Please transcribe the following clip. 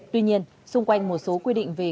tuy nhiên xung quanh một số quy định về